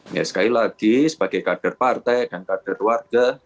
ya sekali lagi sebagai kader partai dan kader warga